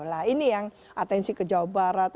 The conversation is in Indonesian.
nah ini yang atensi ke jawa barat